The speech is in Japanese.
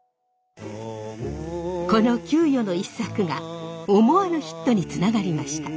この窮余の一策が思わぬヒットにつながりました。